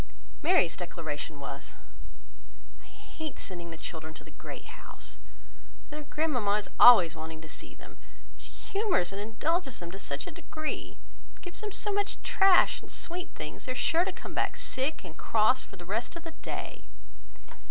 Mary's declaration was, "I hate sending the children to the Great House, though their grandmamma is always wanting to see them, for she humours and indulges them to such a degree, and gives them so much trash and sweet things, that they are sure to come back sick and cross for the rest of the day."